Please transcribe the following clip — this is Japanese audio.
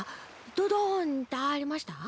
ドドンってありました？